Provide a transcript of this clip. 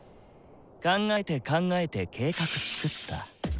考えて考えて計画つくった。